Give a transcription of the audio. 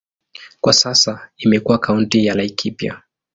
Kwa sasa imekuwa kaunti ya Laikipia.